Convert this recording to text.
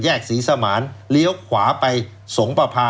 ศรีสมานเลี้ยวขวาไปสงประพา